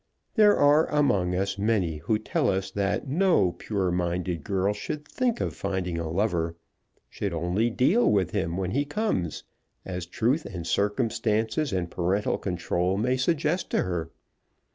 There are among us many who tell us that no pure minded girl should think of finding a lover, should only deal with him, when he comes, as truth, and circumstances, and parental control may suggest to her.